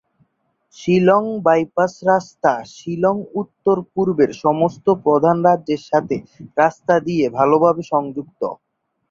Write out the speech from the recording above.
Shillong bypass রাস্তা শিলং উত্তর-পূর্বের সমস্ত প্রধান রাজ্যের সাথে রাস্তা দিয়ে ভালভাবে সংযুক্ত।